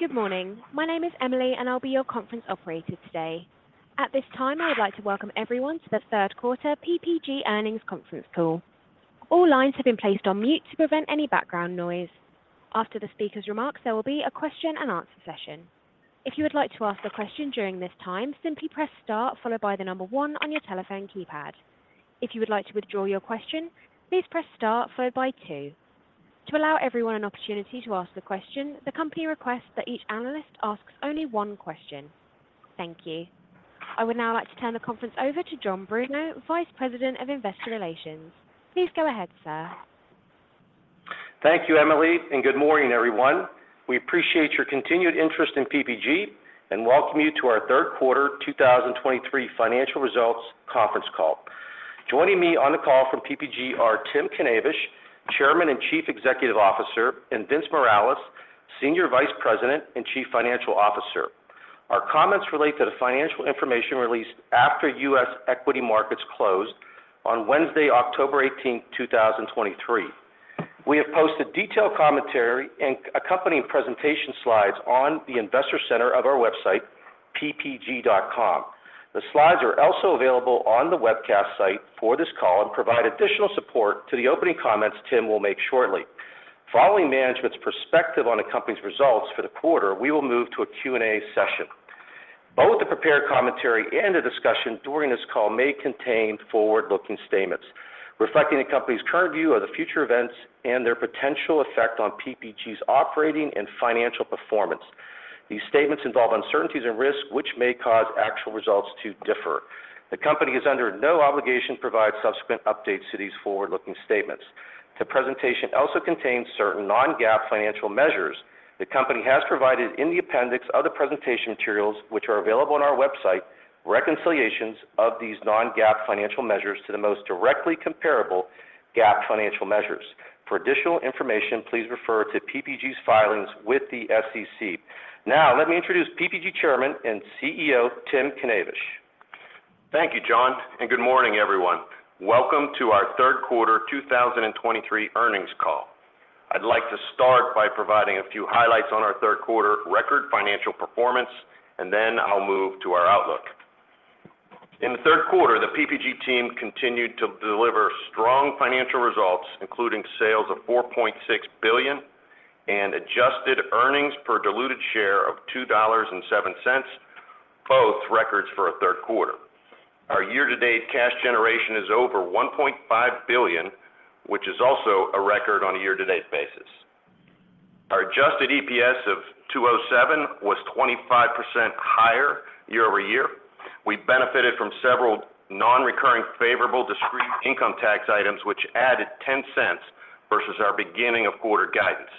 Good morning. My name is Emily, and I'll be your conference operator today. At this time, I would like to welcome everyone to the third quarter PPG Earnings Conference Call. All lines have been placed on mute to prevent any background noise. After the speaker's remarks, there will be a question and answer session. If you would like to ask a question during this time, simply press star followed by the number one on your telephone keypad. If you would like to withdraw your question, please press star followed by two. To allow everyone an opportunity to ask the question, the company requests that each analyst asks only one question. Thank you. I would now like to turn the conference over to John Bruno, Vice President of Investor Relations. Please go ahead, sir. Thank you, Emily, and good morning, everyone. We appreciate your continued interest in PPG and welcome you to our third quarter 2023 financial results conference call. Joining me on the call from PPG are Tim Knavish, Chairman and Chief Executive Officer, and Vince Morales, Senior Vice President and Chief Financial Officer. Our comments relate to the financial information released after US equity markets closed on Wednesday, October 18, 2023. We have posted detailed commentary and accompanying presentation slides on the investor center of our website, ppg.com. The slides are also available on the webcast site for this call and provide additional support to the opening comments Tim will make shortly. Following management's perspective on the company's results for the quarter, we will move to a Q&A session. Both the prepared commentary and the discussion during this call may contain forward-looking statements reflecting the company's current view of the future events and their potential effect on PPG's operating and financial performance. These statements involve uncertainties and risks which may cause actual results to differ. The company is under no obligation to provide subsequent updates to these forward-looking statements. The presentation also contains certain non-GAAP financial measures. The company has provided, in the appendix of the presentation materials, which are available on our website, reconciliations of these non-GAAP financial measures to the most directly comparable GAAP financial measures. For additional information, please refer to PPG's filings with the SEC. Now, let me introduce PPG Chairman and CEO Tim Knavish. Thank you, John, and good morning, everyone. Welcome to our third quarter 2023 earnings call. I'd like to start by providing a few highlights on our third quarter record financial performance, and then I'll move to our outlook. In the third quarter, the PPG team continued to deliver strong financial results, including sales of $4.6 billion and adjusted earnings per diluted share of $2.07, both records for a third quarter. Our year-to-date cash generation is over $1.5 billion, which is also a record on a year-to-date basis. Our adjusted EPS of $2.07 was 25% higher year-over-year. We benefited from several non-recurring, favorable, discrete income tax items, which added $0.10 versus our beginning-of-quarter guidance.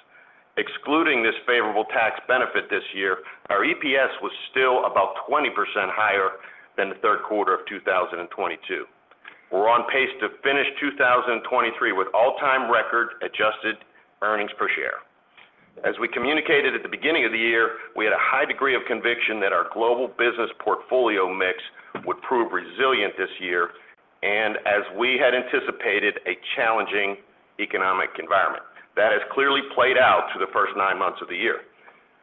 Excluding this favorable tax benefit this year, our EPS was still about 20% higher than the third quarter of 2022. We're on pace to finish 2023 with all-time record adjusted earnings per share. As we communicated at the beginning of the year, we had a high degree of conviction that our global business portfolio mix would prove resilient this year, and as we had anticipated, a challenging economic environment. That has clearly played out through the first nine months of the year.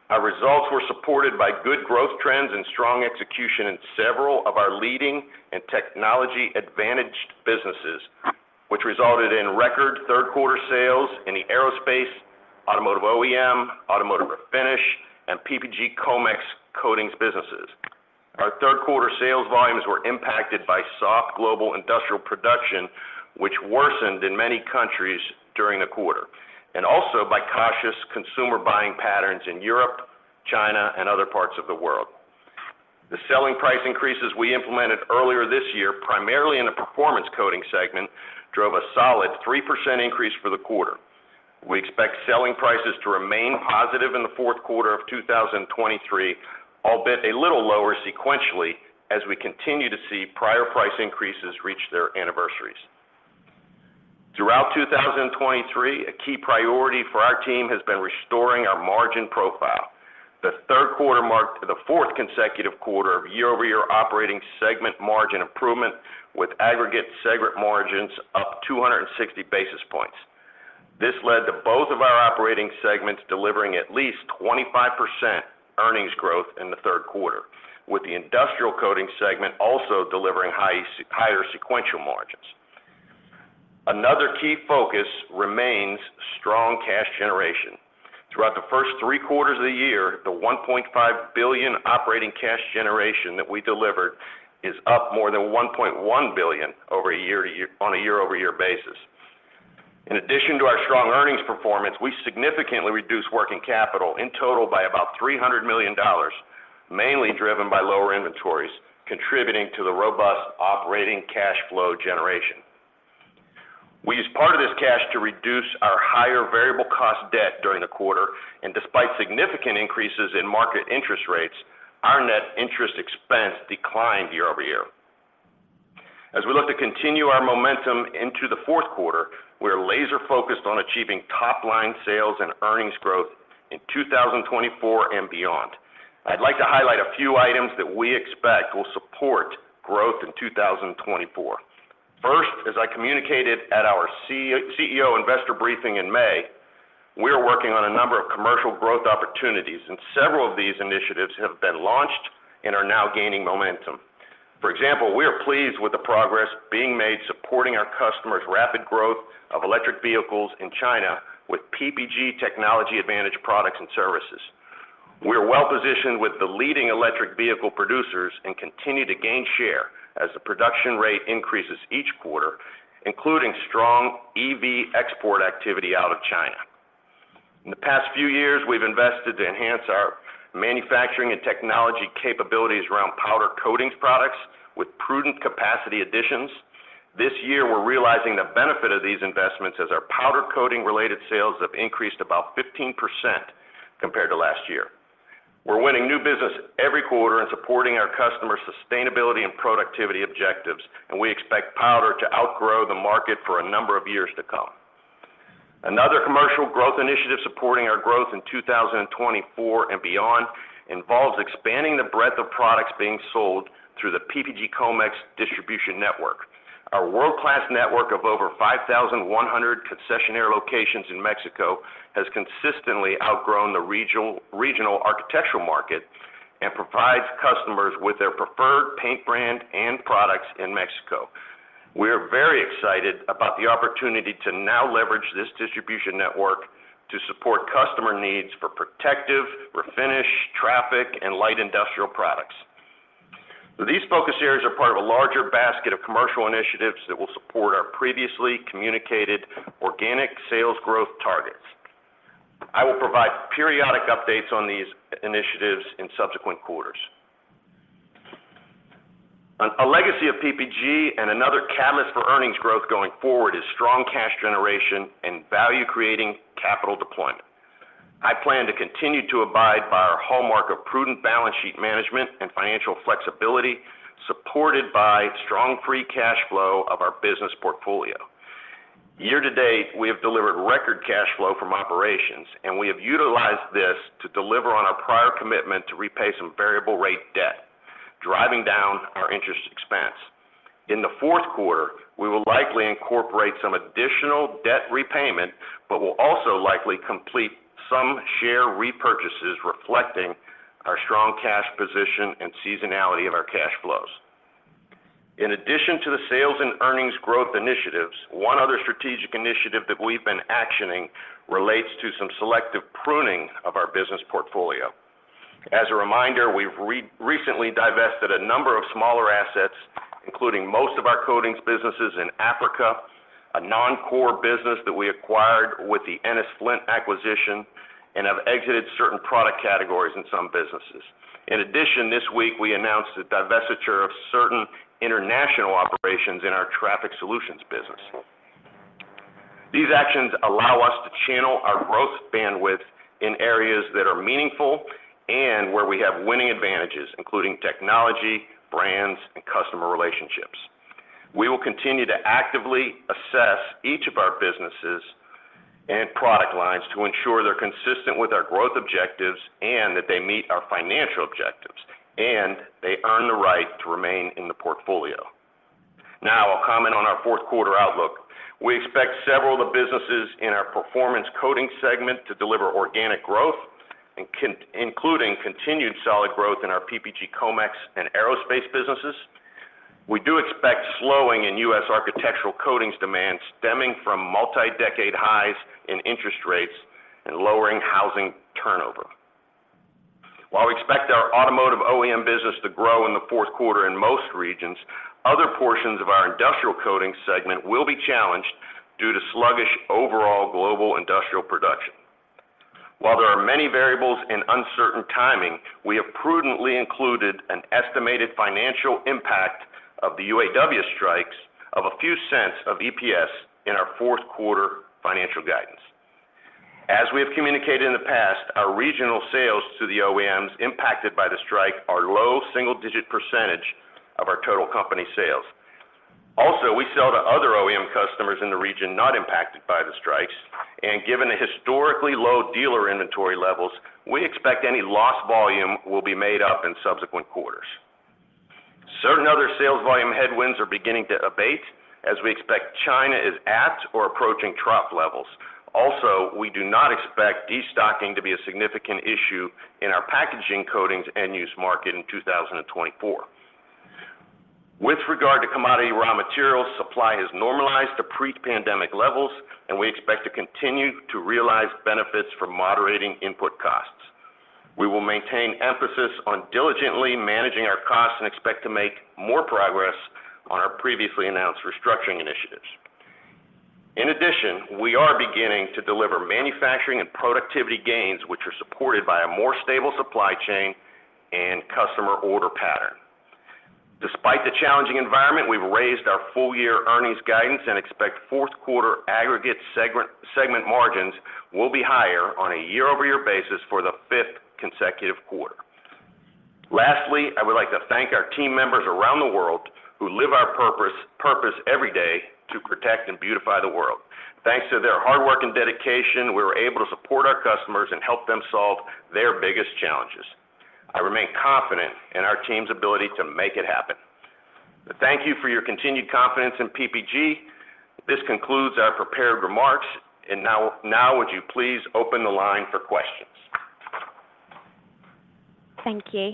Our results were supported by good growth trends and strong execution in several of our leading and technology-advantaged businesses, which resulted in record third quarter sales in the Aerospace, Automotive OEM, Automotive Refinish, and PPG Comex coatings businesses. Our third quarter sales volumes were impacted by soft global industrial production, which worsened in many countries during the quarter, and also by cautious consumer buying patterns in Europe, China, and other parts of the world. The selling price increases we implemented earlier this year, primarily in the Performance Coatings segment, drove a solid 3% increase for the quarter. We expect selling prices to remain positive in the fourth quarter of 2023, albeit a little lower sequentially, as we continue to see prior price increases reach their anniversaries. Throughout 2023, a key priority for our team has been restoring our margin profile. The third quarter marked the fourth consecutive quarter of year-over-year operating segment margin improvement, with aggregate segment margins up 260 basis points. This led to both of our operating segments delivering at least 25% earnings growth in the third quarter, with the Industrial Coatings segment also delivering higher sequential margins. Another key focus remains strong cash generation. Throughout the first three quarters of the year, the $1.5 billion operating cash generation that we delivered is up more than $1.1 billion on a year-over-year basis. In addition to our strong earnings performance, we significantly reduced working capital in total by about $300 million, mainly driven by lower inventories, contributing to the robust operating cash flow generation. We used part of this cash to reduce our higher variable cost debt during the quarter, and despite significant increases in market interest rates, our net interest expense declined year over year. As we look to continue our momentum into the fourth quarter, we're laser focused on achieving top-line sales and earnings growth in 2024 and beyond. I'd like to highlight a few items that we expect will support growth in 2024. First, as I communicated at our CEO investor briefing in May, we are working on a number of commercial growth opportunities, and several of these initiatives have been launched and are now gaining momentum. For example, we are pleased with the progress being made supporting our customers' rapid growth of electric vehicles in China with PPG technology-advantaged products and services. We are well positioned with the leading electric vehicle producers and continue to gain share as the production rate increases each quarter, including strong EV export activity out of China. In the past few years, we've invested to enhance our manufacturing and technology capabilities around powder coatings products with prudent capacity additions. This year, we're realizing the benefit of these investments as our powder coating related sales have increased about 15% compared to last year. We're winning new business every quarter and supporting our customers' sustainability and productivity objectives, and we expect powder to outgrow the market for a number of years to come. Another commercial growth initiative supporting our growth in 2024 and beyond, involves expanding the breadth of products being sold through the PPG Comex distribution network. Our world-class network of over 5,100 concessionaire locations in Mexico has consistently outgrown the regional architectural market and provides customers with their preferred paint brand and products in Mexico. We are very excited about the opportunity to now leverage this distribution network to support customer needs for protective, refinish, traffic, and light industrial products. These focus areas are part of a larger basket of commercial initiatives that will support our previously communicated organic sales growth targets. I will provide periodic updates on these initiatives in subsequent quarters. A legacy of PPG and another catalyst for earnings growth going forward, is strong cash generation and value-creating capital deployment. I plan to continue to abide by our hallmark of prudent balance sheet management and financial flexibility, supported by strong free cash flow of our business portfolio. Year to date, we have delivered record cash flow from operations, and we have utilized this to deliver on our prior commitment to repay some variable rate debt, driving down our interest expense. In the fourth quarter, we will likely incorporate some additional debt repayment, but will also likely complete some share repurchases, reflecting our strong cash position and seasonality of our cash flows. In addition to the sales and earnings growth initiatives, one other strategic initiative that we've been actioning relates to some selective pruning of our business portfolio. As a reminder, we've recently divested a number of smaller assets, including most of our coatings businesses in Africa, a non-core business that we acquired with the Ennis-Flint acquisition, and have exited certain product categories in some businesses. In addition, this week, we announced the divestiture of certain international operations in our Traffic Solutions business. These actions allow us to channel our growth bandwidth in areas that are meaningful and where we have winning advantages, including technology, brands, and customer relationships. We will continue to actively assess each of our businesses and product lines to ensure they're consistent with our growth objectives and that they meet our financial objectives, and they earn the right to remain in the portfolio. Now, I'll comment on our fourth quarter outlook. We expect several of the businesses in our Performance Coatings segment to deliver organic growth, including continued solid growth in our PPG Comex and Aerospace businesses. We do expect slowing in U.S. architectural coatings demand, stemming from multi-decade highs in interest rates and lowering housing turnover. While we expect our Automotive OEM business to grow in the fourth quarter in most regions, other portions of our industrial coatings segment will be challenged due to sluggish overall global industrial production. While there are many variables and uncertain timing, we have prudently included an estimated financial impact of the UAW strikes of a few cents of EPS in our fourth quarter financial guidance. As we have communicated in the past, our regional sales to the OEMs impacted by the strike are low single-digit percentage of our total company sales. Also, we sell to other OEM customers in the region not impacted by the strikes, and given the historically low dealer inventory levels, we expect any lost volume will be made up in subsequent quarters. Certain other sales volume headwinds are beginning to abate, as we expect China is at or approaching trough levels. Also, we do not expect destocking to be a significant issue in our packaging coatings end-use market in 2024. With regard to commodity, raw material supply has normalized to pre-pandemic levels, and we expect to continue to realize benefits from moderating input costs. We will maintain emphasis on diligently managing our costs and expect to make more progress on our previously announced restructuring initiatives. In addition, we are beginning to deliver manufacturing and productivity gains, which are supported by a more stable supply chain and customer order pattern. Despite the challenging environment, we've raised our full-year earnings guidance and expect fourth quarter aggregate segment, segment margins will be higher on a year-over-year basis for the fifth consecutive quarter.... Lastly, I would like to thank our team members around the world who live our purpose, purpose every day to protect and beautify the world. Thanks to their hard work and dedication, we were able to support our customers and help them solve their biggest challenges. I remain confident in our team's ability to make it happen. Thank you for your continued confidence in PPG. This concludes our prepared remarks, and now would you please open the line for questions? Thank you.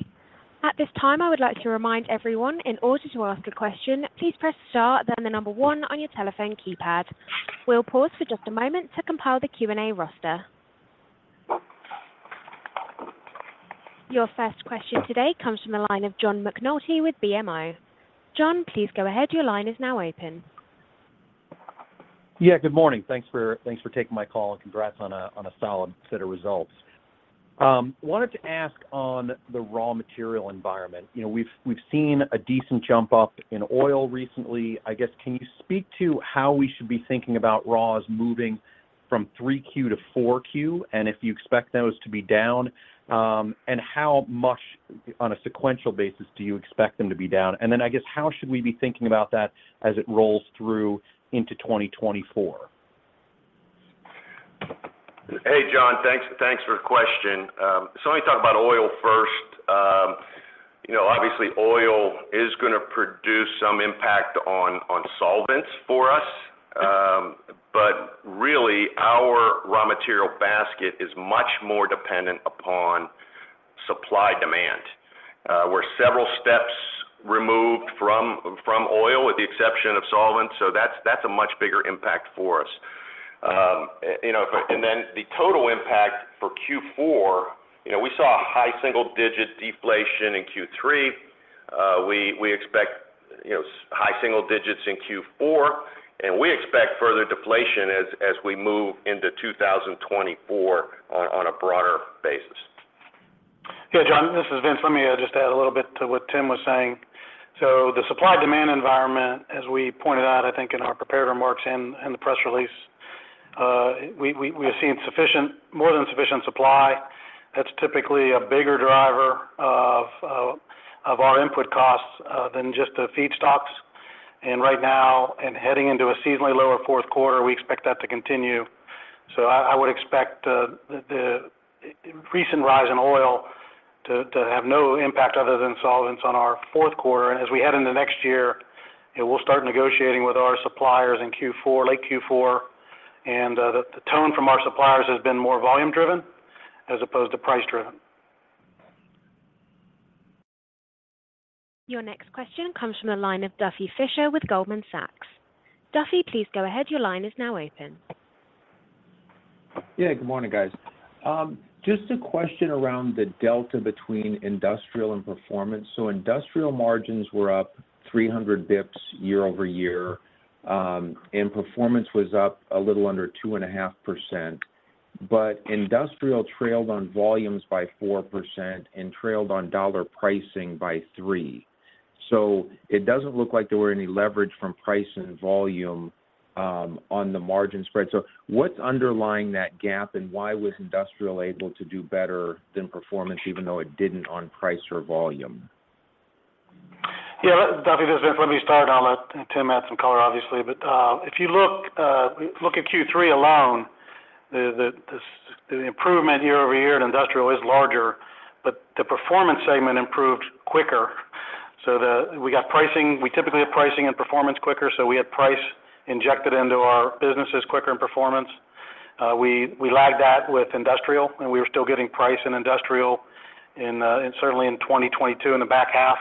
At this time, I would like to remind everyone, in order to ask a question, please press star, then the number one on your telephone keypad. We'll pause for just a moment to compile the Q&A roster. Your first question today comes from the line of John McNulty with BMO. John, please go ahead. Your line is now open. Yeah, good morning. Thanks for taking my call, and congrats on a solid set of results. Wanted to ask on the raw material environment. You know, we've seen a decent jump up in oil recently. I guess, can you speak to how we should be thinking about raws moving from 3Q to 4Q? And if you expect those to be down, and how much on a sequential basis do you expect them to be down? And then I guess, how should we be thinking about that as it rolls through into 2024? Hey, John, thanks, thanks for the question. So let me talk about oil first. You know, obviously, oil is gonna produce some impact on, on solvents for us. But really, our raw material basket is much more dependent upon supply-demand. We're several steps removed from, from oil with the exception of solvents, so that's, that's a much bigger impact for us. You know, but and then the total impact for Q4, you know, we saw a high single digit deflation in Q3. We, we expect, you know, high single digits in Q4, and we expect further deflation as, as we move into 2024 on, on a broader basis. Yeah, John, this is Vince. Let me just add a little bit to what Tim was saying. So the supply-demand environment, as we pointed out, I think in our prepared remarks and the press release, we've seen sufficient, more than sufficient supply. That's typically a bigger driver of our input costs than just the feedstocks. And right now, and heading into a seasonally lower fourth quarter, we expect that to continue. So I would expect the recent rise in oil to have no impact other than solvents on our fourth quarter. And as we head into next year, we'll start negotiating with our suppliers in Q4, late Q4, and the tone from our suppliers has been more volume-driven as opposed to price-driven. Your next question comes from the line of Duffy Fischer with Goldman Sachs. Duffy, please go ahead. Your line is now open. Yeah, good morning, guys. Just a question around the delta between industrial and performance. So industrial margins were up 300 basis points year-over-year, and performance was up a little under 2.5%, but industrial trailed on volumes by 4% and trailed on dollar pricing by 3%. So it doesn't look like there were any leverage from price and volume on the margin spread. So what's underlying that gap, and why was industrial able to do better than performance, even though it didn't on price or volume? Yeah, Duffy, this is Vince. Let me start, and I'll let Tim add some color, obviously. But if you look at Q3 alone, the improvement year-over-year in industrial is larger, but the performance segment improved quicker. So we got pricing. We typically have pricing and performance quicker, so we had price injected into our businesses quicker in performance. We lagged that with industrial, and we were still getting price in industrial, certainly in 2022 in the back half.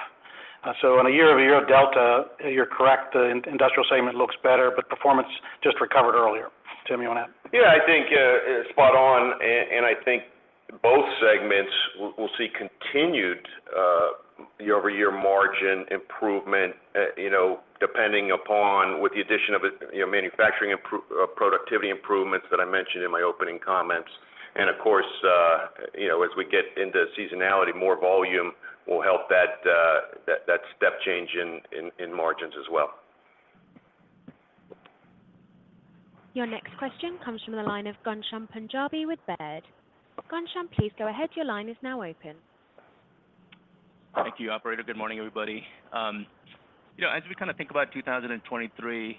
So on a year-over-year delta, you're correct, the industrial segment looks better, but performance just recovered earlier. Tim, you want to add? Yeah, I think spot on, and I think both segments will see continued year-over-year margin improvement, you know, depending upon with the addition of, you know, manufacturing productivity improvements that I mentioned in my opening comments. And of course, you know, as we get into seasonality, more volume will help that step change in margins as well. Your next question comes from the line of Ghansham Panjabi with Baird. Ghansham, please go ahead. Your line is now open. Thank you, operator. Good morning, everybody. You know, as we kind of think about 2023,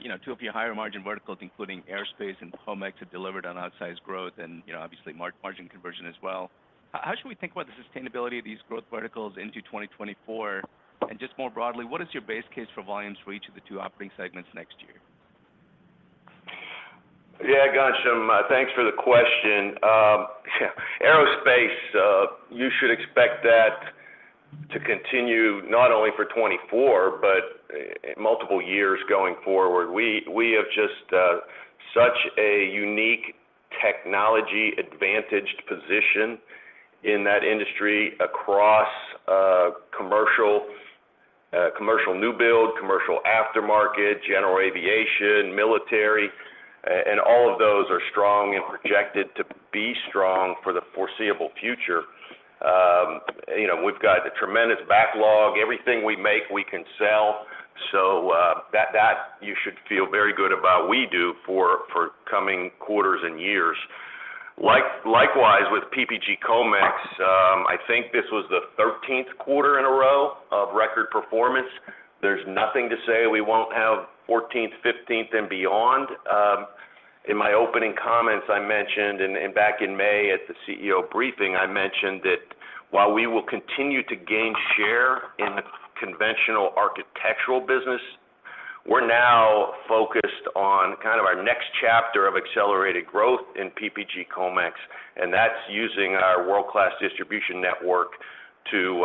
you know, two of your higher margin verticals, including Aerospace and Comex have delivered on outsized growth and, you know, obviously margin conversion as well. How should we think about the sustainability of these growth verticals into 2024? And just more broadly, what is your base case for volumes for each of the two operating segments next year? Yeah, Ghansham, thanks for the question. Yeah, Aerospace, you should expect that to continue not only for 2024, but multiple years going forward. We, we have just, such a unique technology advantaged position in that industry across, commercial, commercial new build, commercial aftermarket, general aviation, military, and all of those are strong and projected to be strong for the foreseeable future. You know, we've got a tremendous backlog. Everything we make, we can sell. So, that, that you should feel very good about we do for, for coming quarters and years. Like, likewise, with PPG Comex, I think this was the 13th quarter in a row of record performance. There's nothing to say we won't have fourteenth, fifteenth, and beyond. In my opening comments, and back in May at the CEO briefing, I mentioned that while we will continue to gain share in the conventional architectural business, we're now focused on kind of our next chapter of accelerated growth in PPG Comex, and that's using our world-class distribution network to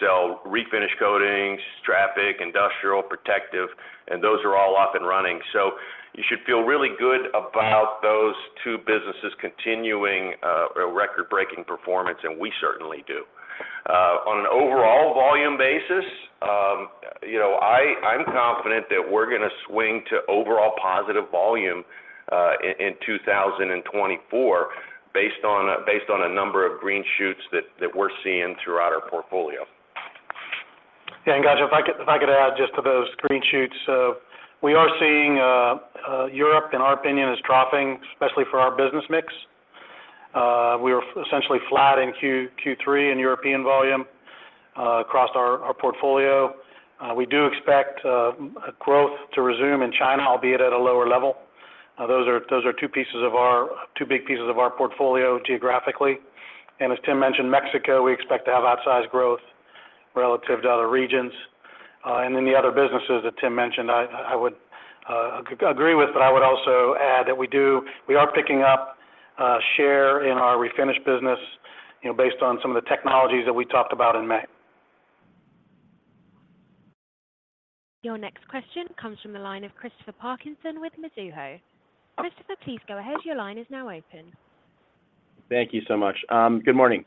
sell refinish coatings, traffic, industrial, protective, and those are all up and running. So you should feel really good about those two businesses continuing a record-breaking performance, and we certainly do. On an overall volume basis, you know, I'm confident that we're gonna swing to overall positive volume in 2024 based on a number of green shoots that we're seeing throughout our portfolio. Yeah, and guys, if I could add just to those green shoots. We are seeing Europe, in our opinion, is dropping, especially for our business mix. We are essentially flat in Q3 in European volume across our portfolio. We do expect growth to resume in China, albeit at a lower level. Those are two big pieces of our portfolio geographically. And as Tim mentioned, Mexico, we expect to have outsized growth relative to other regions. And then the other businesses that Tim mentioned, I would agree with, but I would also add that we are picking up share in our refinish business, you know, based on some of the technologies that we talked about in May. Your next question comes from the line of Chris Parkinson with Mizuho. Chris, please go ahead. Your line is now open. Thank you so much. Good morning.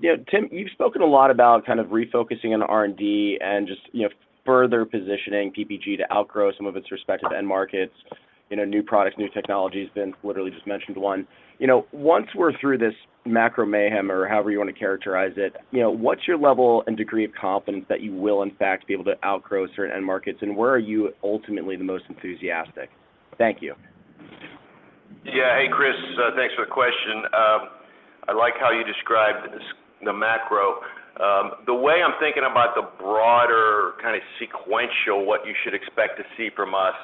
Yeah, Tim, you've spoken a lot about kind of refocusing on R&D and just, you know, further positioning PPG to outgrow some of its respective end markets. You know, new products, new technologies, Vince literally just mentioned one. You know, once we're through this macro mayhem, or however you want to characterize it, you know, what's your level and degree of confidence that you will, in fact, be able to outgrow certain end markets, and where are you ultimately the most enthusiastic? Thank you. Yeah. Hey, Chris, thanks for the question. I like how you described the macro. The way I'm thinking about the broader kind of sequential, what you should expect to see from us,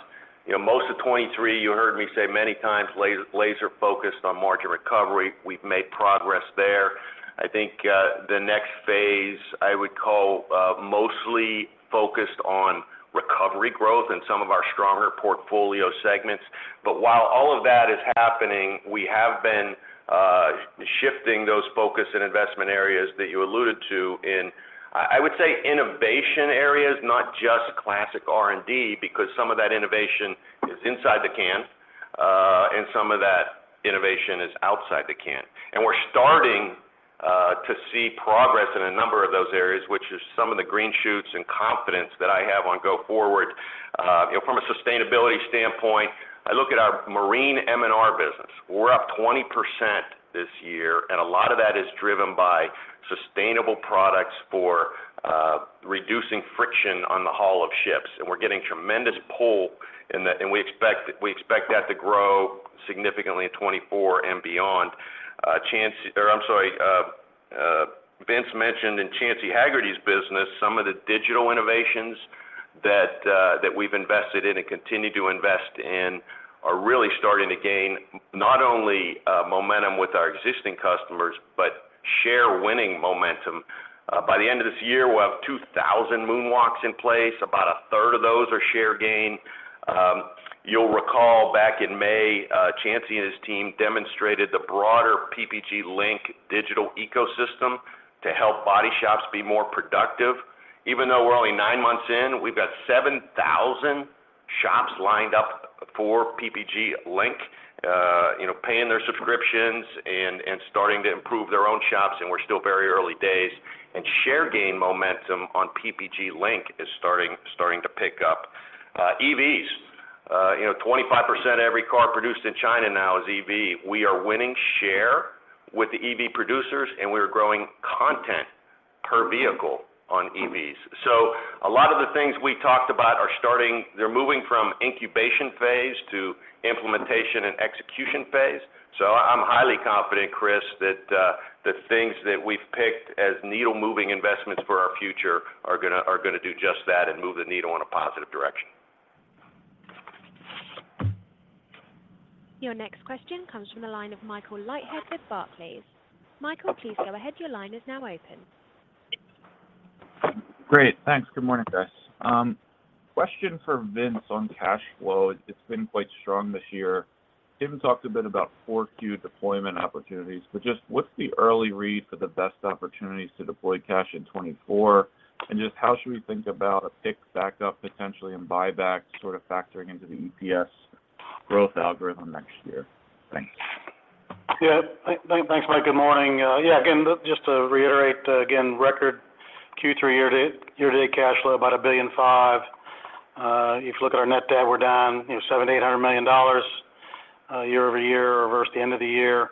you know, most of 2023, you heard me say many times, laser, laser focused on margin recovery. We've made progress there. I think, the next phase, I would call, mostly focused on recovery growth in some of our stronger portfolio segments. But while all of that is happening, we have been shifting those focus and investment areas that you alluded to in, I would say, innovation areas, not just classic R&D, because some of that innovation is inside the can, and some of that innovation is outside the can. We're starting to see progress in a number of those areas, which is some of the green shoots and confidence that I have going forward. You know, from a sustainability standpoint, I look at our Marine M&R business. We're up 20% this year, and a lot of that is driven by sustainable products for reducing friction on the hull of ships, and we're getting tremendous pull in the... We expect that to grow significantly in 2024 and beyond. Chancey, or I'm sorry, Vince mentioned in Chancey Hagerty's business, some of the digital innovations that we've invested in and continue to invest in, are really starting to gain not only momentum with our existing customers, but share-winning momentum. By the end of this year, we'll have 2,000 MoonWalks in place. About a third of those are share gain. You'll recall back in May, Chancey and his team demonstrated the broader PPG LINQ digital ecosystem to help body shops be more productive. Even though we're only 9 months in, we've got 7,000 shops lined up for PPG LINQ, you know, paying their subscriptions and, and starting to improve their own shops, and we're still very early days. And share gain momentum on PPG LINQ is starting, starting to pick up. EVs, you know, 25% of every car produced in China now is EV. We are winning share with the EV producers, and we are growing content per vehicle on EVs. So a lot of the things we talked about are starting—they're moving from incubation phase to implementation and execution phase. I'm highly confident, Chris, that the things that we've picked as needle-moving investments for our future are gonna do just that and move the needle in a positive direction. Your next question comes from the line of Michael Leithead with Barclays. Michael, please go ahead. Your line is now open. Great. Thanks. Good morning, guys. Question for Vince on cash flow. It's been quite strong this year. Tim talked a bit about 4Q deployment opportunities, but just what's the early read for the best opportunities to deploy cash in 2024? And just how should we think about a pick back up potentially and buyback sort of factoring into the EPS growth algorithm next year? Thanks. Yeah. Thanks, Mike. Good morning. Yeah, again, just to reiterate, again, record Q3 year to date, year to date cash flow, about $1.5 billion. If you look at our net debt, we're down, you know, $700 million-$800 million year-over-year or versus the end of the year.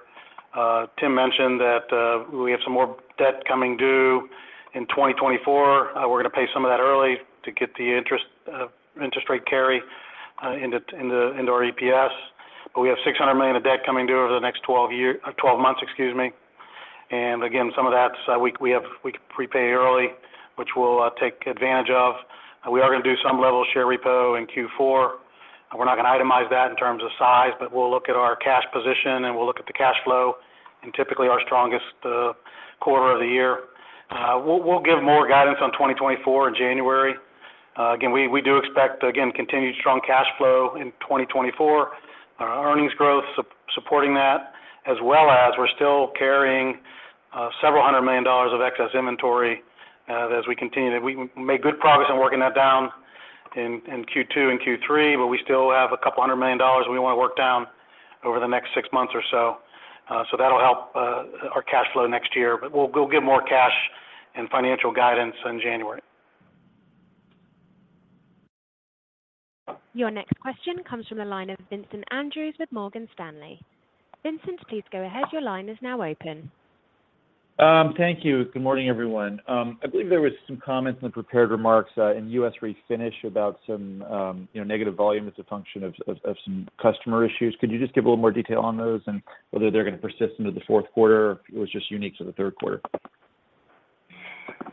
Tim mentioned that, we have some more debt coming due in 2024. We're going to pay some of that early to get the interest, interest rate carry, into, into, into our EPS. But we have $600 million of debt coming due over the next 12 years or 12 months, excuse me. And again, some of that's, we, we have we prepay early, which we'll take advantage of. We are going to do some level of share repo in Q4, and we're not going to itemize that in terms of size, but we'll look at our cash position, and we'll look at the cash flow, and typically our strongest quarter of the year. We'll give more guidance on 2024 in January. Again, we do expect, again, continued strong cash flow in 2024. Our earnings growth supporting that, as well as we're still carrying several hundred million dollars of excess inventory. As we continue to, we made good progress in working that down in Q2 and Q3, but we still have a couple hundred million dollars we want to work down over the next six months or so. So that'll help our cash flow next year, but we'll give more cash and financial guidance in January. Your next question comes from the line of Vincent Andrews with Morgan Stanley. Vincent, please go ahead. Your line is now open. Thank you. Good morning, everyone. I believe there was some comments in the prepared remarks, in U.S. Refinish about some, you know, negative volume as a function of some customer issues. Could you just give a little more detail on those and whether they're going to persist into the fourth quarter, or if it was just unique to the third quarter?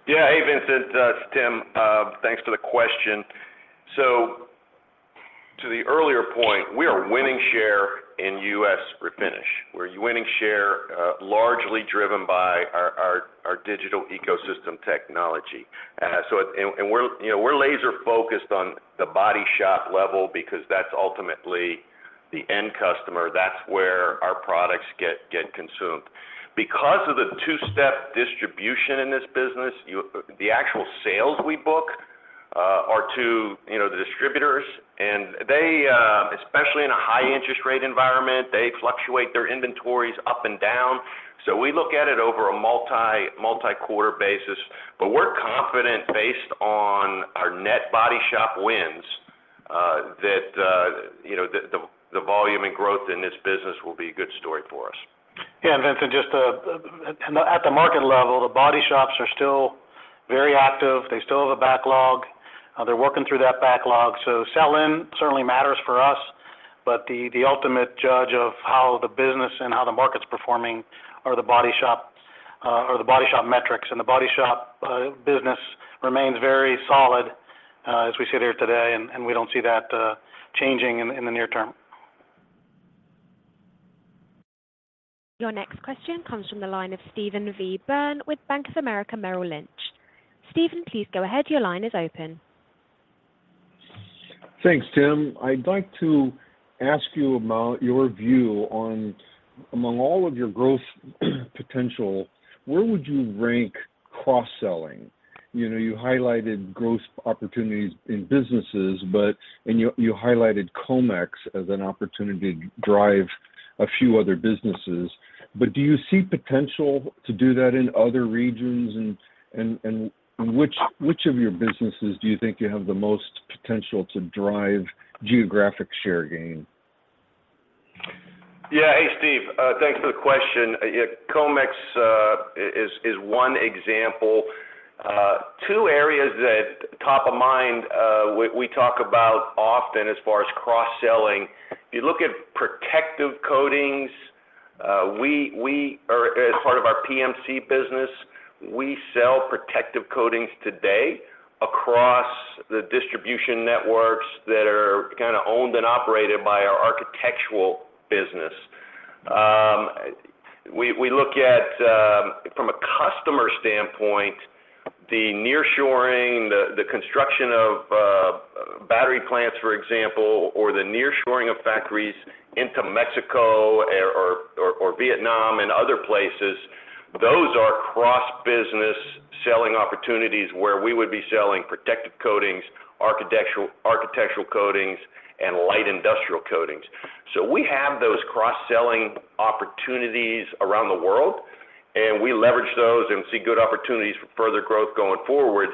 Yeah. Hey, Vincent, it's Tim. Thanks for the question. So to the earlier point, we are winning share in U.S. Refinish. We're winning share, largely driven by our digital ecosystem technology. So, and we're, you know, we're laser focused on the body shop level because that's ultimately the end customer. That's where our products get consumed. Because of the two-step distribution in this business, the actual sales we book are to, you know, the distributors, and they, especially in a high interest rate environment, they fluctuate their inventories up and down. So we look at it over a multi-quarter basis. But we're confident, based on our net body shop wins, that, you know, the volume and growth in this business will be a good story for us. Yeah, and Vincent, just at the market level, the body shops are still very active. They still have a backlog. They're working through that backlog, so sell-in certainly matters for us, but the ultimate judge of how the business and how the market's performing are the body shop or the body shop metrics. And the body shop business remains very solid as we sit here today, and we don't see that changing in the near term. Your next question comes from the line of Steve V. Byrne with Bank of America Merrill Lynch. Steve, please go ahead. Your line is open. Thanks, Tim. I'd like to ask you about your view on among all of your growth potential, where would you rank cross-selling? You know, you highlighted growth opportunities in businesses, but and you, you highlighted Comex as an opportunity to drive a few other businesses. But do you see potential to do that in other regions? And, and, and which, which of your businesses do you think you have the most potential to drive geographic share gain? Yeah. Hey, Steve. Thanks for the question. Yeah, Comex is one example. Two areas that top of mind, we talk about often as far as cross-selling, if you look at protective coatings, we are as part of our PMC business, we sell protective coatings today across the distribution networks that are kinda owned and operated by our architectural business. We look at, from a customer standpoint, the nearshoring, the construction of battery plants, for example, or the nearshoring of factories into Mexico or Vietnam and other places, those are cross-business selling opportunities where we would be selling protective coatings, architectural coatings, and light industrial coatings. So we have those cross-selling opportunities around the world, and we leverage those and see good opportunities for further growth going forward.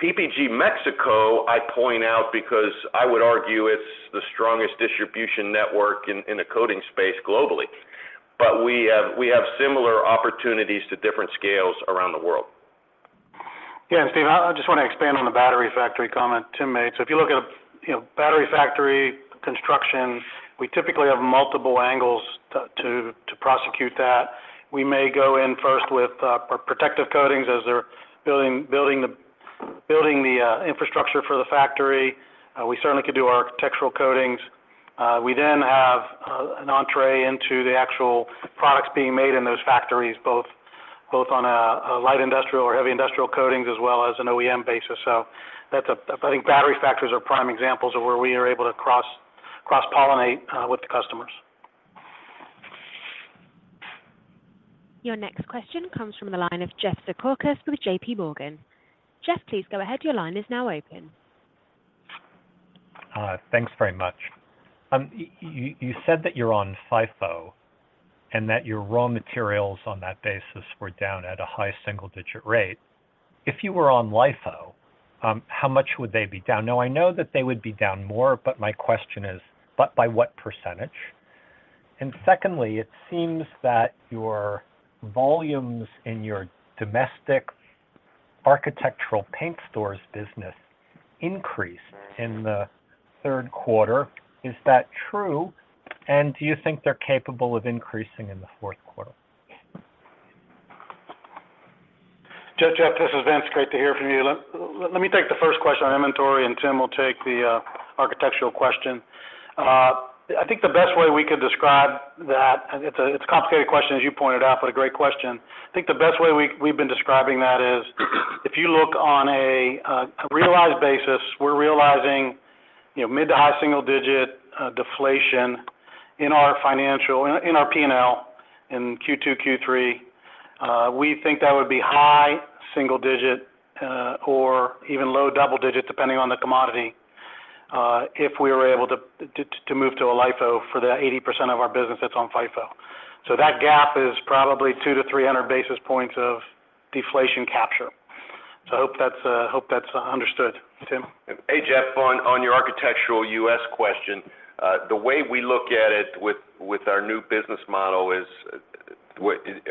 PPG Mexico, I point out because I would argue it's the strongest distribution network in the coatings space globally. But we have similar opportunities to different scales around the world. Yeah, and Steve, I just want to expand on the battery factory comment Tim made. So if you look at, you know, battery factory construction, we typically have multiple angles to prosecute that. We may go in first with protective coatings as they're building the infrastructure for the factory. We certainly could do our architectural coatings. We then have an entree into the actual products being made in those factories, both on a light industrial or heavy industrial coatings, as well as an OEM basis. So that's a-- I think battery factories are prime examples of where we are able to cross-pollinate with the customers. Your next question comes from the line of Jeff Zekauskas with J.P. Morgan. Jeff, please go ahead. Your line is now open. Thanks very much. You said that you're on FIFO and that your raw materials on that basis were down at a high single-digit rate. If you were on LIFO, how much would they be down? Now, I know that they would be down more, but my question is, but by what percentage? And secondly, it seems that your volumes in your domestic architectural paint stores business increased in the third quarter. Is that true? And do you think they're capable of increasing in the fourth quarter? Jeff, Jeff, this is Vince. Great to hear from you. Let me take the first question on inventory, and Tim will take the architectural question. I think the best way we could describe that, and it's a complicated question, as you pointed out, but a great question. I think the best way we've been describing that is, if you look on a realized basis, we're realizing, you know, mid- to high-single-digit deflation in our financial in our P&L, in Q2, Q3. We think that would be high-single-digit or even low-double-digit, depending on the commodity, if we were able to move to a LIFO for the 80% of our business that's on FIFO. So that gap is probably 200-300 basis points of deflation capture. So I hope that's understood. Tim? Hey, Jeff, on your architectural U.S. question, the way we look at it with our new business model is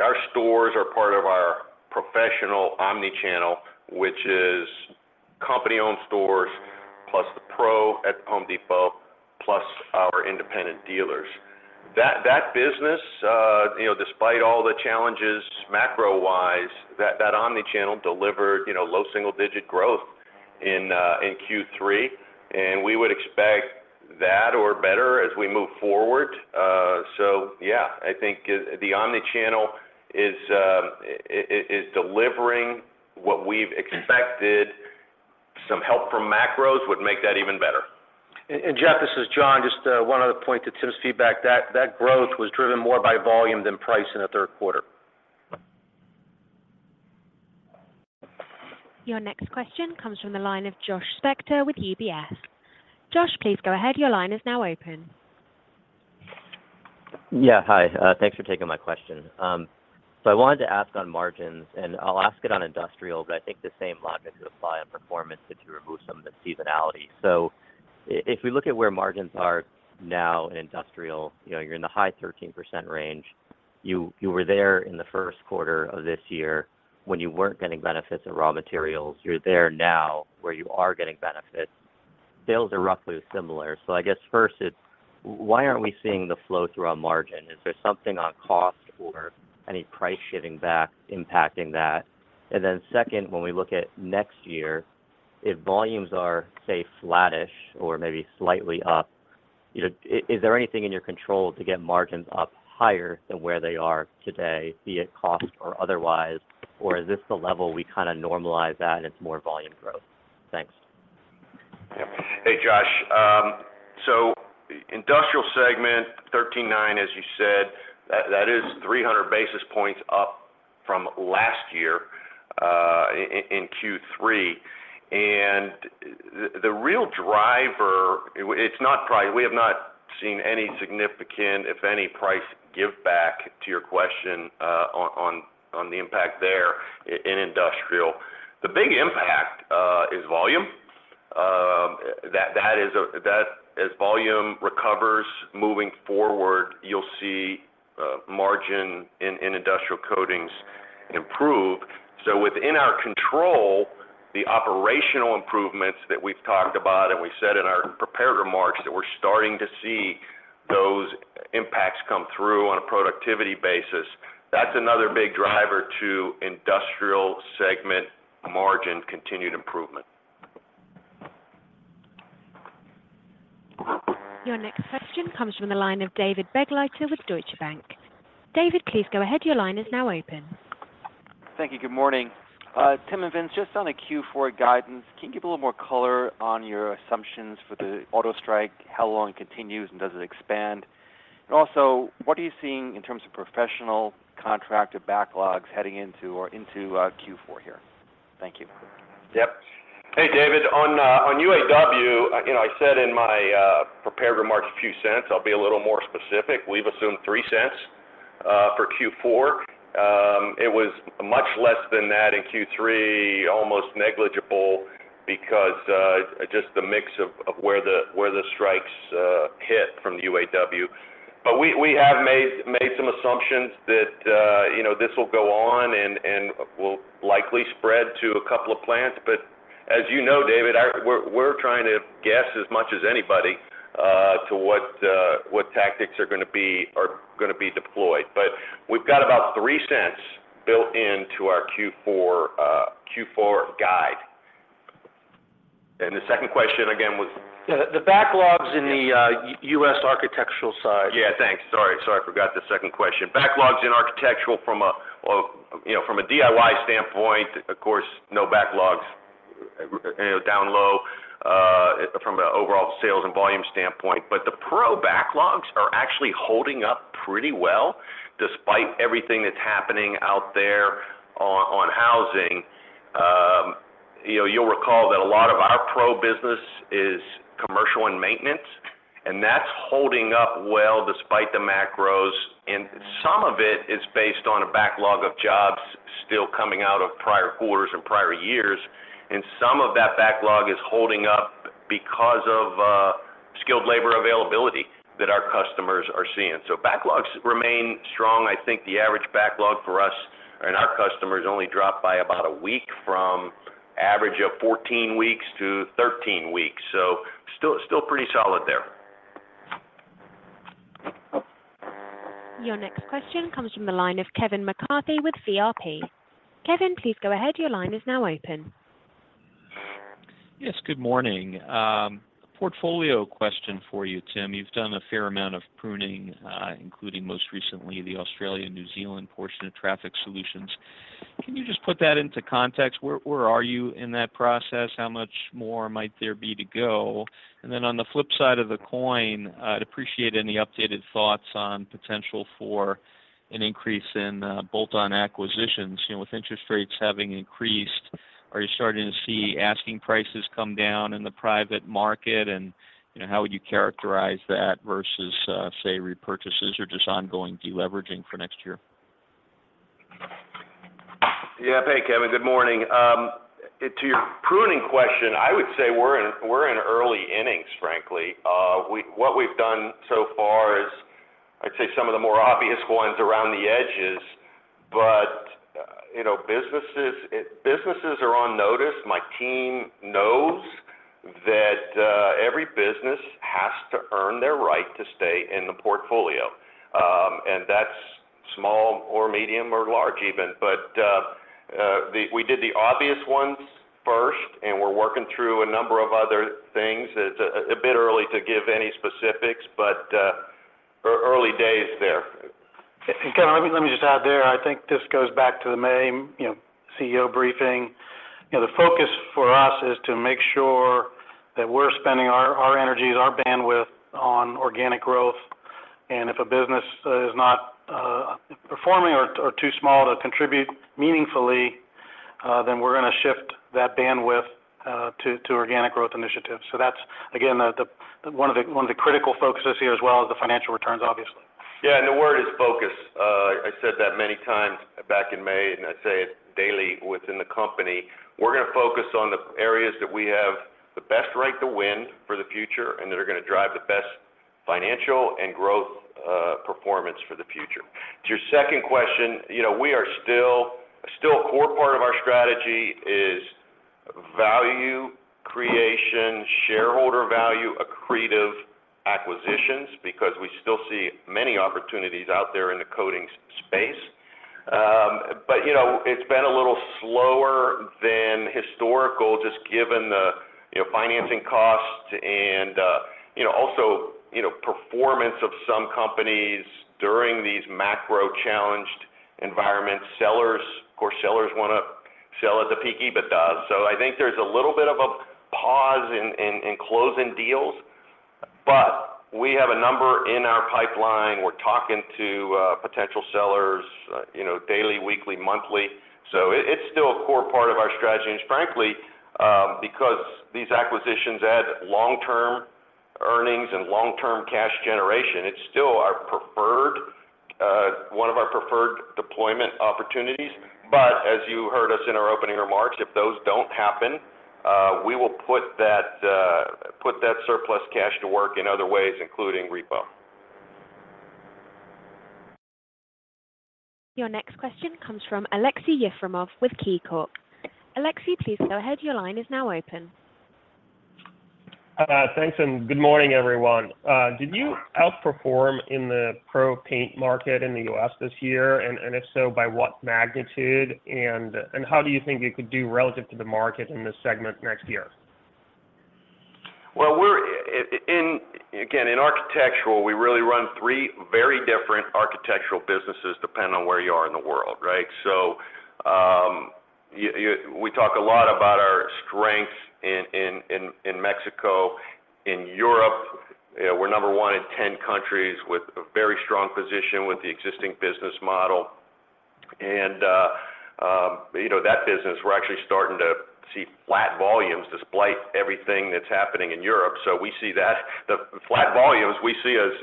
our stores are part of our professional omni-channel, which is company-owned stores, plus the pro at Home Depot, plus our independent dealers. That business, you know, despite all the challenges, macro-wise, that omni-channel delivered, you know, low single-digit growth in Q3, and we would expect that or better as we move forward. So yeah, I think the omni-channel is delivering what we've expected. Some help from macros would make that even better. Jeff, this is John. Just one other point to Tim's feedback, that growth was driven more by volume than price in the third quarter. Your next question comes from the line of Josh Spector with UBS. Josh, please go ahead. Your line is now open. Yeah, hi. Thanks for taking my question. So I wanted to ask on margins, and I'll ask it on industrial, but I think the same logic would apply on performance if you remove some of the seasonality. So if we look at where margins are now in industrial, you know, you're in the high 13% range. You were there in the first quarter of this year when you weren't getting benefits of raw materials. You're there now, where you are getting benefits. Sales are roughly similar. So I guess first, it's why aren't we seeing the flow through on margin? Is there something on cost or any price shifting back impacting that? And then second, when we look at next year, if volumes are, say, flattish or maybe slightly up, you know, is there anything in your control to get margins up higher than where they are today, be it cost or otherwise? Or is this the level we kind of normalize at, and it's more volume growth? Thanks. Yep. Hey, Josh. So industrial segment, 13.9%, as you said, that is 300 basis points up from last year in Q3. And the real driver, it's not price. We have not seen any significant, if any, price give back to your question on the impact there in industrial. The big impact is volume. That is. As volume recovers moving forward, you'll see margin in industrial coatings improve. So within our control, the operational improvements that we've talked about, and we said in our prepared remarks, that we're starting to see those impacts come through on a productivity basis. That's another big driver to industrial segment margin continued improvement. Your next question comes from the line of David Begleiter with Deutsche Bank. David, please go ahead. Your line is now open. Thank you. Good morning, Tim and Vince, just on the Q4 guidance, can you give a little more color on your assumptions for the auto strike? How long it continues, and does it expand? And also, what are you seeing in terms of professional contracted backlogs heading into or into Q4 here? Thank you. Yep. Hey, David, on UAW, you know, I said in my prepared remarks a few cents. I'll be a little more specific. We've assumed $0.03 for Q4. It was much less than that in Q3, almost negligible, because just the mix of where the strikes hit from the UAW. But we have made some assumptions that, you know, this will go on and will likely spread to a couple of plants. But as you know, David, we're trying to guess as much as anybody to what tactics are gonna be deployed. But we've got about $0.03 built into our Q4 guide. And the second question again was? Yeah, the backlogs in the U.S. architectural side. Yeah, thanks. Sorry, sorry, I forgot the second question. Backlogs in architectural from a, well, you know, from a DIY standpoint, of course, no backlogs, you know, down low, from an overall sales and volume standpoint. But the pro backlogs are actually holding up pretty well, despite everything that's happening out there on, on housing. You know, you'll recall that a lot of our pro business is commercial and maintenance, and that's holding up well despite the macros, and some of it is based on a backlog of jobs still coming out of prior quarters and prior years, and some of that backlog is holding up because of, skilled labor availability that our customers are seeing. So backlogs remain strong. I think the average backlog for us and our customers only dropped by about a week from average of 14 weeks to 13 weeks. Still, still pretty solid there. Your next question comes from the line of Kevin McCarthy with VRP. Kevin, please go ahead. Your line is now open. Yes, good morning. Portfolio question for you, Tim. You've done a fair amount of pruning, including, most recently, the Australian, New Zealand portion of Traffic Solutions. Can you just put that into context? Where, where are you in that process? How much more might there be to go? And then on the flip side of the coin, I'd appreciate any updated thoughts on potential for an increase in bolt-on acquisitions. You know, with interest rates having increased, are you starting to see asking prices come down in the private market? And, you know, how would you characterize that versus, say, repurchases or just ongoing deleveraging for next year? Yeah. Hey, Kevin, good morning. To your pruning question, I would say we're in, we're in early innings, frankly. What we've done so far is, I'd say some of the more obvious ones around the edges. But, you know, businesses, businesses are on notice. My team knows that, every business has to earn their right to stay in the portfolio, and that's small or medium or large even. But, we did the obvious ones first, and we're working through a number of other things. It's a bit early to give any specifics, but, early days there. Kevin, let me, let me just add there. I think this goes back to the main, you know, CEO briefing. You know, the focus for us is to make sure that we're spending our, our energies, our bandwidth on organic growth, and if a business is not performing or too small to contribute meaningfully, then we're gonna shift that bandwidth to organic growth initiatives. So that's again, the one of the critical focuses here, as well as the financial returns, obviously. Yeah, and the word is focus. I said that many times back in May, and I say it daily within the company. We're gonna focus on the areas that we have the best right to win for the future, and that are gonna drive the best financial and growth performance for the future. To your second question, you know, we are still--still a core part of our strategy is value creation, shareholder value, accretive acquisitions, because we still see many opportunities out there in the coatings space. But you know, it's been a little slower than historical, just given the, you know, financing costs and, you know, also, you know, performance of some companies during these macro-challenged environment. Sellers, of course, sellers want to sell at the peak of the dot. So I think there's a little bit of a pause in closing deals, but we have a number in our pipeline. We're talking to potential sellers, you know, daily, weekly, monthly. So it's still a core part of our strategy, and frankly, because these acquisitions add long-term earnings and long-term cash generation, it's still our preferred, one of our preferred deployment opportunities. But as you heard us in our opening remarks, if those don't happen, we will put that surplus cash to work in other ways, including repo. Your next question comes from Aleksey Yefremov with KeyBanc Capital Markets. Aleksey, please go ahead. Your line is now open. Thanks, and good morning, everyone. Did you outperform in the pro paint market in the U.S. this year? And if so, by what magnitude? And how do you think you could do relative to the market in this segment next year? Well, we're in, again, in architectural, we really run three very different architectural businesses, depending on where you are in the world, right? So, we talk a lot about our strengths in Mexico. In Europe, we're number one in 10 countries with a very strong position with the existing business model. And, you know, that business, we're actually starting to see flat volumes despite everything that's happening in Europe. So we see that. The flat volumes we see as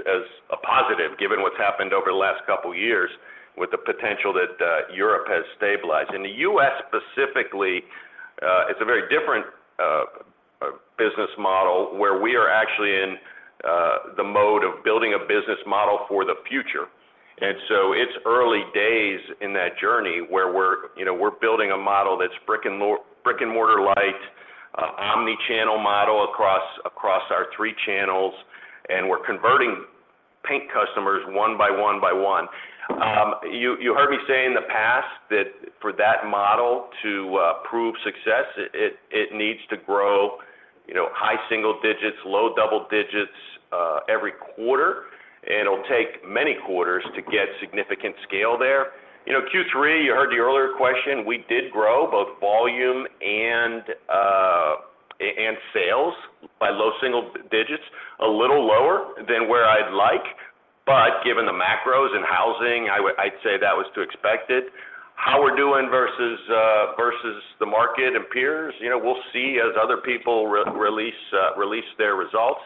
a positive, given what's happened over the last couple of years with the potential that Europe has stabilized. In the U.S., specifically, it's a very different business model, where we are actually in the mode of building a business model for the future. So it's early days in that journey where we're, you know, we're building a model that's brick-and-mortar light, omni-channel model across, across our three channels, and we're converting paint customers one by one by one. You heard me say in the past that for that model to prove success, it needs to grow, you know, high single digits, low double digits, every quarter, and it'll take many quarters to get significant scale there. You know, Q3, you heard the earlier question, we did grow both volume and sales by low single digits, a little lower than where I'd like. But given the macros and housing, I'd say that was to expect it. How we're doing versus the market and peers, you know, we'll see as other people release their results.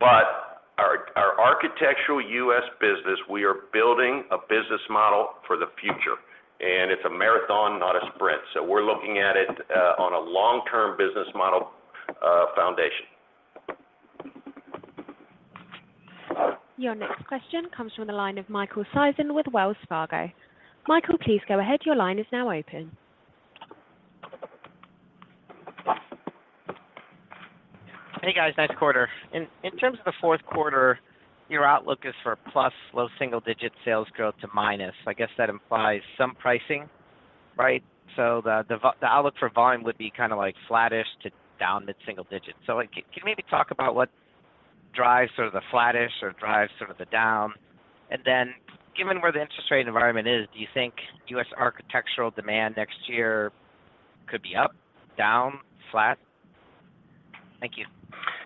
But our, our architectural U.S. business, we are building a business model for the future, and it's a marathon, not a sprint. So we're looking at it, on a long-term business model, foundation. Your next question comes from the line of Michael Sison with Wells Fargo. Michael, please go ahead. Your line is now open. Hey, guys, nice quarter. In terms of the fourth quarter, your outlook is for +low single-digit sales growth to minus. I guess that implies some pricing, right? So the outlook for volume would be kind of like flattish to down mid-single digits. So like, can you maybe talk about what drives sort of the flattish or drives sort of the down? And then given where the interest rate environment is, do you think U.S. architectural demand next year could be up, down, flat? Thank you.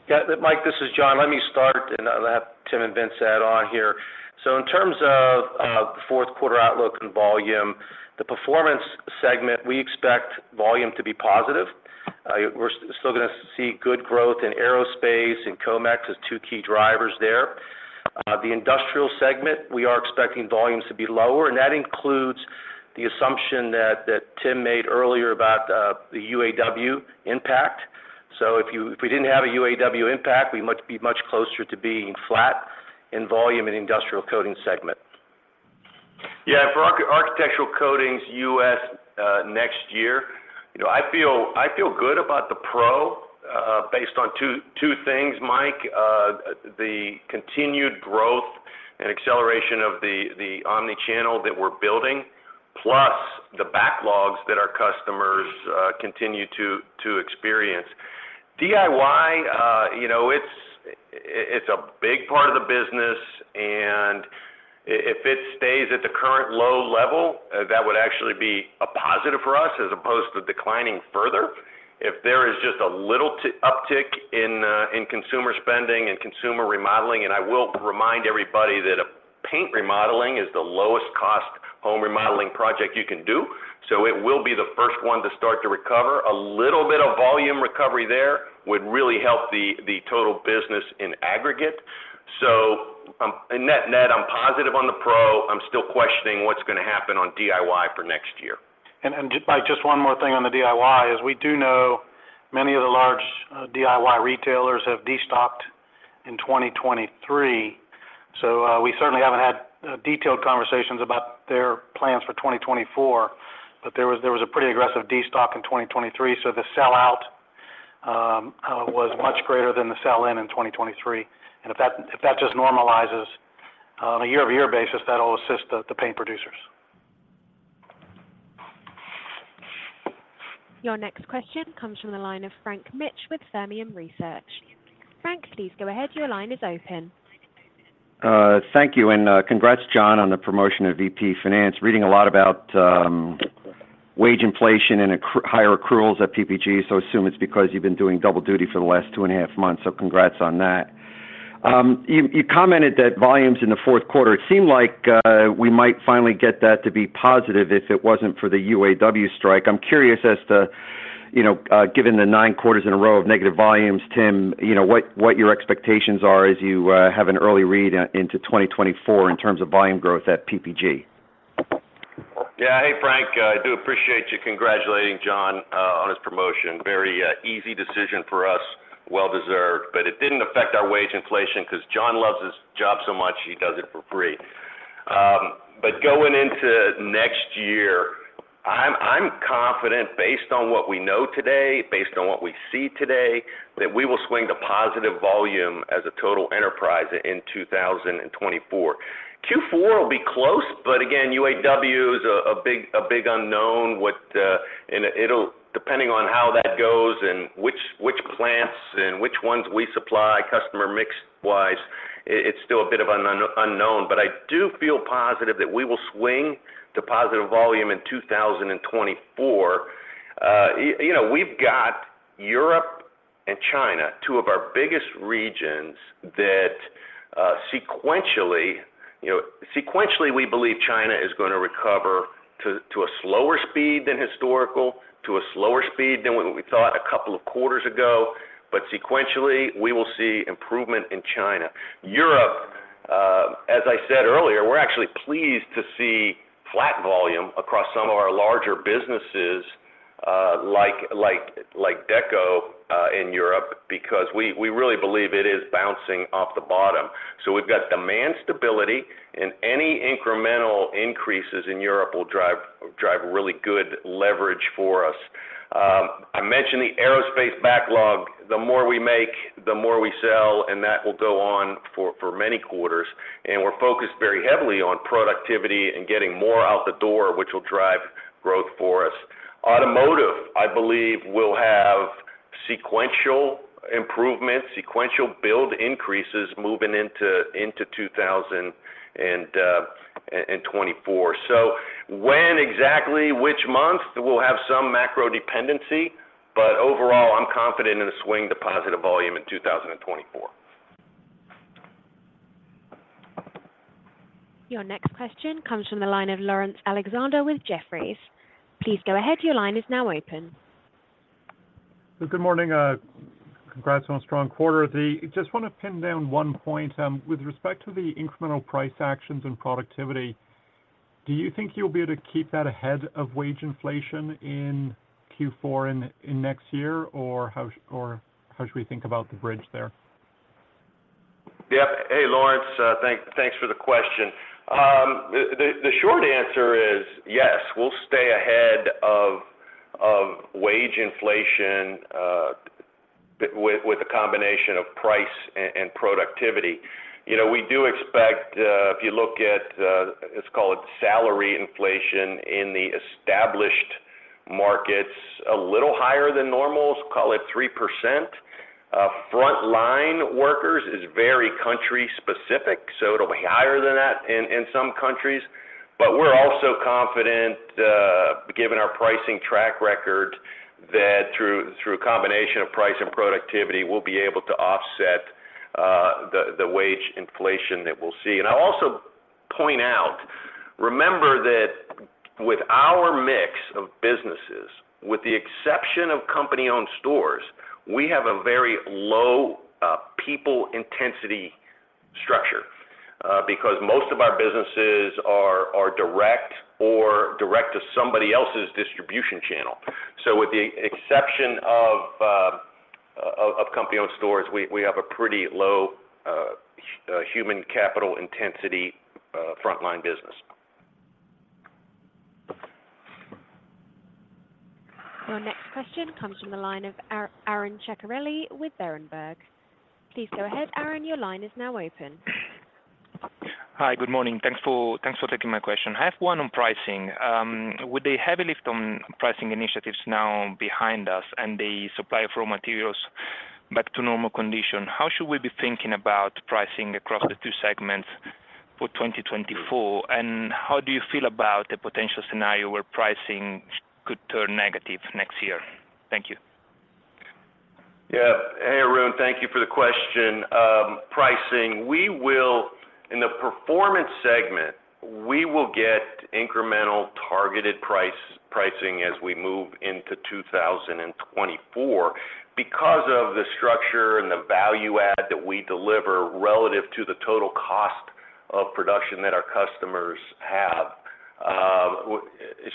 Yeah, Mike, this is John. Let me start and I'll have Tim and Vince add on here. So in terms of the fourth quarter outlook and volume, the performance segment, we expect volume to be positive. We're still gonna see good growth in Aerospace and Comex as two key drivers there. The industrial segment, we are expecting volumes to be lower, and that includes the assumption that Tim made earlier about the UAW impact. So if we didn't have a UAW impact, we'd be much closer to being flat in volume in industrial coatings segment. Yeah, for architectural coatings, U.S., next year, you know, I feel good about the pro based on two things, Mike. The continued growth and acceleration of the omni-channel that we're building, plus the backlogs that our customers continue to experience. DIY, you know, it's a big part of the business, and if it stays at the current low level, that would actually be a positive for us as opposed to declining further. If there is just a little uptick in consumer spending and consumer remodeling, and I will remind everybody that a paint remodeling is the lowest cost home remodeling project you can do. So it will be the first one to start to recover. A little bit of volume recovery there would really help the total business in aggregate. So, in net-net, I'm positive on the pro. I'm still questioning what's gonna happen on DIY for next year. Mike, just one more thing on the DIY, is we do know many of the large DIY retailers have destocked in 2023. So, we certainly haven't had detailed conversations about their plans for 2024, but there was a pretty aggressive destock in 2023, so the sell out was much greater than the sell-in in 2023. And if that just normalizes on a year-over-year basis, that'll assist the paint producers. Your next question comes from the line of Frank Mitsch with Fermium Research. Frank, please go ahead. Your line is open. Thank you, and, congrats, John, on the promotion to VP Finance. Reading a lot about wage inflation and higher accruals at PPG, so assume it's because you've been doing double duty for the last two and a half months. So congrats on that. You commented that volumes in the fourth quarter, it seemed like we might finally get that to be positive if it wasn't for the UAW strike. I'm curious as to, you know, given the nine quarters in a row of negative volumes, Tim, you know, what your expectations are as you have an early read into 2024 in terms of volume growth at PPG? Yeah. Hey, Frank, I do appreciate you congratulating John on his promotion. Very easy decision for us, well deserved, but it didn't affect our wage inflation 'cause John loves his job so much, he does it for free. But going into next year, I'm confident, based on what we know today, based on what we see today, that we will swing to positive volume as a total enterprise in 2024. Q4 will be close, but again, UAW is a big unknown. And it'll, depending on how that goes and which plants and which ones we supply, customer mix-wise, it's still a bit of an unknown. But I do feel positive that we will swing to positive volume in 2024. You know, we've got Europe and China, two of our biggest regions, that sequentially... You know, sequentially, we believe China is gonna recover to a slower speed than historical, to a slower speed than what we thought a couple of quarters ago, but sequentially, we will see improvement in China. Europe, as I said earlier, we're actually pleased to see flat volume across some of our larger businesses, like, like, like Deco in Europe, because we really believe it is bouncing off the bottom. So we've got demand stability, and any incremental increases in Europe will drive really good leverage for us. I mentioned the Aerospace backlog. The more we make, the more we sell, and that will go on for many quarters. We're focused very heavily on productivity and getting more out the door, which will drive growth for us. Automotive, I believe, will have sequential improvements, sequential build increases moving into 2024. When exactly, which month? We'll have some macro dependency, but overall, I'm confident in a swing to positive volume in 2024. Your next question comes from the line of Laurence Alexander with Jefferies. Please go ahead. Your line is now open. Good morning. Congrats on a strong quarter. Just want to pin down one point. With respect to the incremental price actions and productivity, do you think you'll be able to keep that ahead of wage inflation in Q4 in next year? Or how should we think about the bridge there? Yep. Hey, Laurence. Thanks for the question. The short answer is yes, we'll stay ahead of wage inflation with a combination of price and productivity. You know, we do expect, if you look at, let's call it salary inflation in the established markets, a little higher than normal, call it 3%. Frontline workers is very country specific, so it'll be higher than that in some countries. But we're also confident, given our pricing track record, that through a combination of price and productivity, we'll be able to offset the wage inflation that we'll see. And I'll also point out, remember that with our mix of businesses, with the exception of company-owned stores, we have a very low people intensity structure because most of our businesses are direct or direct to somebody else's distribution channel. So with the exception of company-owned stores, we have a pretty low human capital intensity frontline business. Your next question comes from the line of Aron Ceccarelli with Berenberg. Please go ahead, Aron, your line is now open. Hi, good morning. Thanks for taking my question. I have one on pricing. With the heavy lift on pricing initiatives now behind us and the supply of raw materials back to normal condition, how should we be thinking about pricing across the two segments for 2024? And how do you feel about a potential scenario where pricing could turn negative next year? Thank you. Yeah. Hey, Aron, thank you for the question. Pricing, we will. In the performance segment, we will get incremental targeted pricing as we move into 2024 because of the structure and the value add that we deliver relative to the total cost of production that our customers have.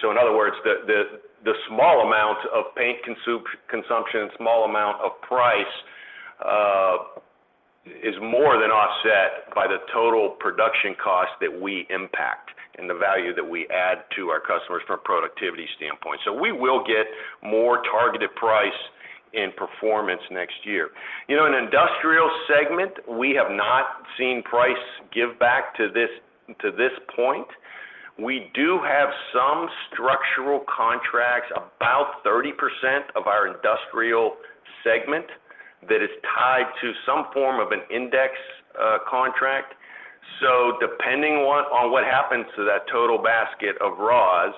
So in other words, the small amount of paint consumption, small amount of price, is more than offset by the total production cost that we impact and the value that we add to our customers from a productivity standpoint. So we will get more targeted price in performance next year. You know, in industrial segment, we have not seen price give back to this point. We do have some structural contracts, about 30% of our industrial segment, that is tied to some form of an index contract. So depending on what happens to that total basket of raws,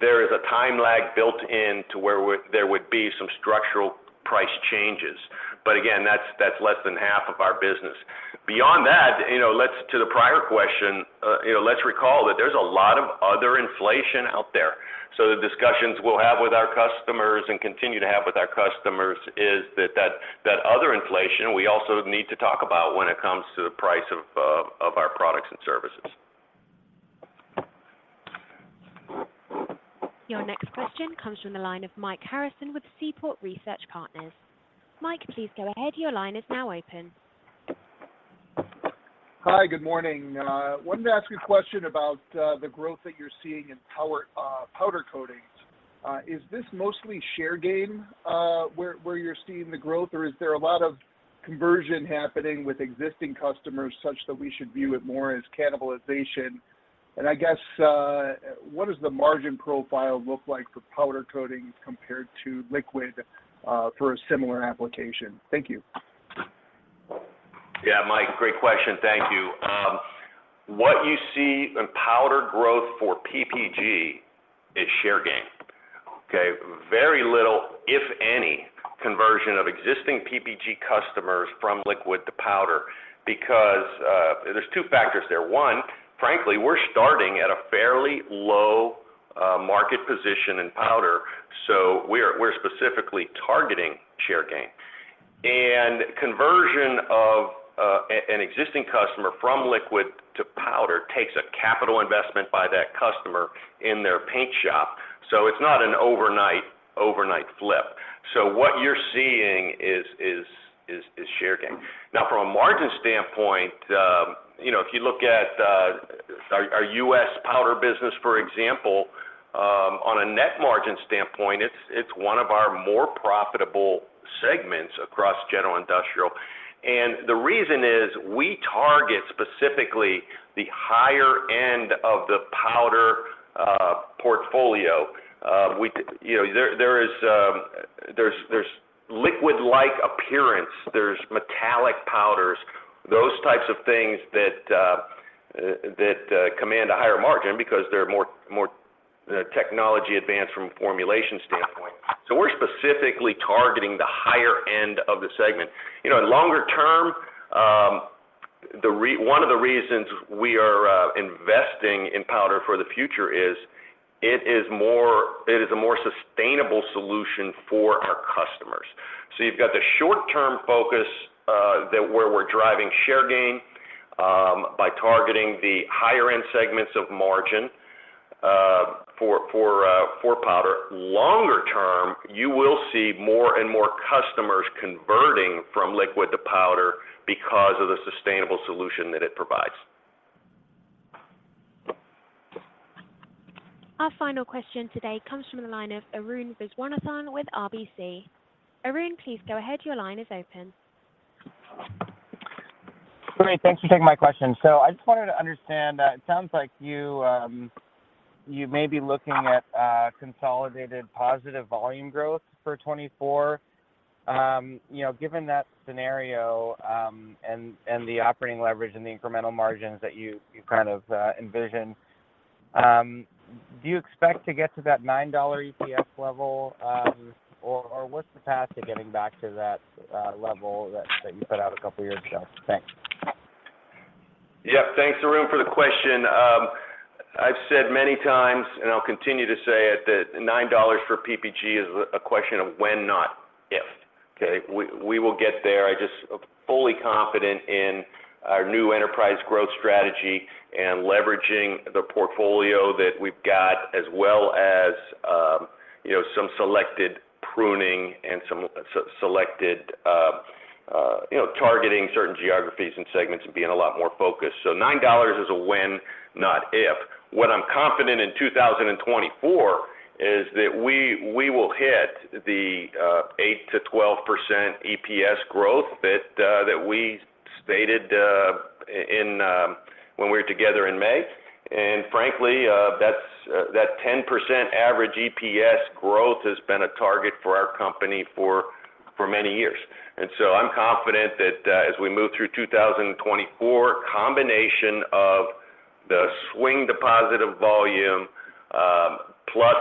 there is a time lag built in to where there would be some structural price changes. But again, that's, that's less than half of our business. Beyond that, you know, let's to the prior question, you know, let's recall that there's a lot of other inflation out there. So the discussions we'll have with our customers and continue to have with our customers is that, that, that other inflation, we also need to talk about when it comes to the price of, of our products and services. Your next question comes from the line of Mike Harrison with Seaport Research Partners. Mike, please go ahead. Your line is now open. Hi, good morning. Wanted to ask you a question about the growth that you're seeing in powder coatings. Is this mostly share gain, where you're seeing the growth? Or is there a lot of conversion happening with existing customers such that we should view it more as cannibalization? And I guess, what does the margin profile look like for powder coatings compared to liquid for a similar application? Thank you. Yeah, Mike, great question. Thank you. What you see in powder growth for PPG is share gain. Okay? Very little, if any, conversion of existing PPG customers from liquid to powder, because there's two factors there. One, frankly, we're starting at a fairly low market position in powder, so we're specifically targeting share gain. And conversion of an existing customer from liquid to powder takes a capital investment by that customer in their paint shop. So it's not an overnight flip. So what you're seeing is share gain. Now, from a margin standpoint, you know, if you look at our U.S. powder business, for example, on a net margin standpoint, it's one of our more profitable segments across general industrial. And the reason is we target specifically the higher end of the powder portfolio. You know, there, there is, there's, there's liquid-like appearance, there's metallic powders, those types of things that, that, command a higher margin because they're more, more, the technology advance from a formulation standpoint. So we're specifically targeting the higher end of the segment. You know, in longer term, the one of the reasons we are, investing in powder for the future is, it is it is a more sustainable solution for our customers. So you've got the short term focus, that where we're driving share gain, by targeting the higher end segments of margin, for, for, for powder. Longer term, you will see more and more customers converting from liquid to powder because of the sustainable solution that it provides. Our final question today comes from the line of Arun Viswanathan with RBC. Arun, please go ahead. Your line is open. Great. Thanks for taking my question. So I just wanted to understand, it sounds like you, you may be looking at, consolidated positive volume growth for 2024. You know, given that scenario, and, and the operating leverage and the incremental margins that you, you kind of, envision, do you expect to get to that $9 EPS level, or, or what's the path to getting back to that, level that, that you set out a couple of years ago? Thanks. Yeah. Thanks, Arun, for the question. I've said many times, and I'll continue to say it, that $9 for PPG is a question of when, not if. Okay? We will get there. Fully confident in our new enterprise growth strategy and leveraging the portfolio that we've got, as well as, you know, some selected pruning and some selected, you know, targeting certain geographies and segments and being a lot more focused. So $9 is a when, not if. What I'm confident in 2024 is that we will hit the 8%-12% EPS growth that we stated in when we were together in May. And frankly, that's that 10% average EPS growth has been a target for our company for many years. And so I'm confident that, as we move through 2024, combination of the swing to positive volume, plus,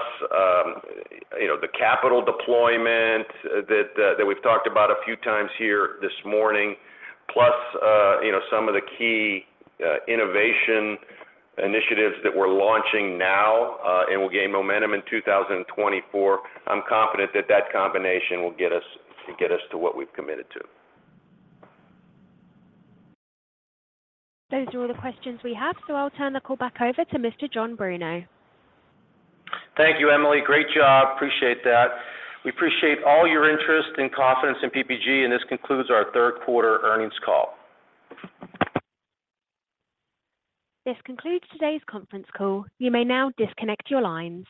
you know, the capital deployment that, that we've talked about a few times here this morning, plus, you know, some of the key, innovation initiatives that we're launching now, and will gain momentum in 2024, I'm confident that that combination will get us, get us to what we've committed to. Those are all the questions we have, so I'll turn the call back over to Mr. John Bruno. Thank you, Emily. Great job. Appreciate that. We appreciate all your interest and confidence in PPG, and this concludes our third quarter earnings call. This concludes today's conference call. You may now disconnect your lines.